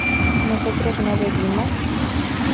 ¿nosotros no bebimos?